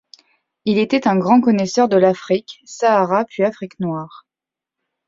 Il était un grand connaisseur de l'Afrique, Sahara puis Afrique noire.